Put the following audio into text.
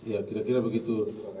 ya kira kira begitu